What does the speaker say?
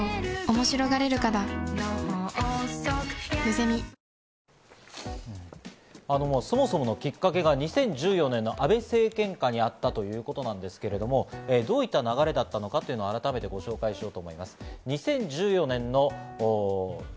ゾンビ臭に新「アタック抗菌ＥＸ」そもそものきっかけが２０１４年の安倍政権下にあったということなんですけれども、どういった流れだったのかを改めてご紹介します。